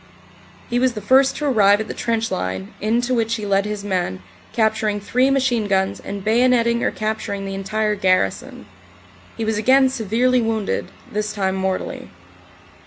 He was the first to arrive at the trench line, into which he led his men, capturing three machine guns and bayonetting or capturing the entire garrison. He was again severely wounded, this time mortally.